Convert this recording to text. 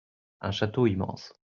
Un château immense.